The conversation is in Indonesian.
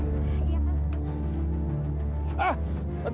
oh iya berarti